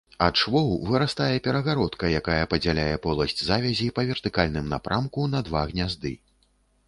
Ад швоў вырастае перагародка, якая падзяляе поласць завязі па вертыкальным напрамку на два гнязды.